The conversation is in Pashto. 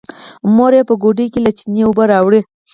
مور يې په ګوډي کې له چينې اوبه راوړې.